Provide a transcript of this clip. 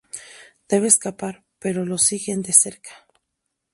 Debe escapar, pero lo siguen de cerca.